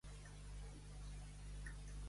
Què ha mostrat Collboni?